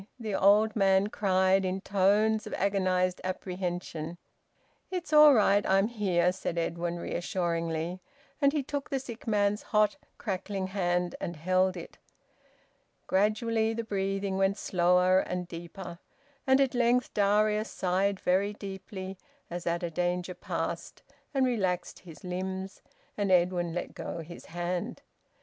the old man cried in tones of agonised apprehension. "It's all right; I'm here," said Edwin reassuringly. And he took the sick man's hot, crackling hand and held it. Gradually the breathing went slower and deeper, and at length Darius sighed very deeply as at a danger past, and relaxed his limbs, and Edwin let go his hand.